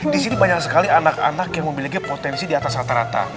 di sini banyak sekali anak anak yang memiliki potensi di atas rata rata